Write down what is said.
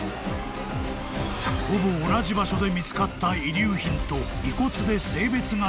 ［ほぼ同じ場所で見つかった遺留品と遺骨で性別が違う］